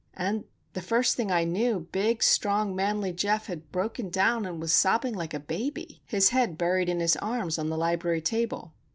And the first thing I knew big, strong, manly Geof had broken down, and was sobbing like a baby, his head buried in his arms on the library table.